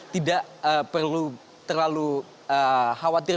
tidak perlu terlalu khawatir